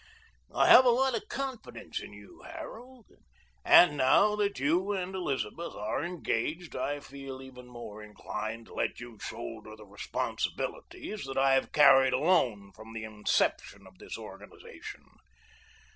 I have a lot of confidence in you, Harold, and now that you and Elizabeth are engaged I feel even more inclined to let you shoulder the responsibilities that I have carried alone from the inception of this organization.